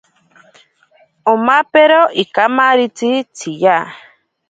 Omapero ikamaritzi tsiya.